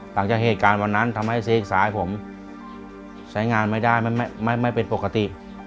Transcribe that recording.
หลังจากเหตุการณ์วันนั้นทำให้ซีกซ้ายผมใช้งานไม่ได้ไม่เป็นปกติ